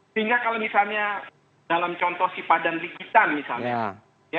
sehingga kalau misalnya dalam contoh sipadan dan likitan misalnya